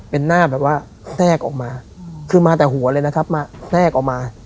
เป็นหน้าแบบว่าแทรกออกมาคือมาแต่หัวเลยนะครับมาแทรกออกมา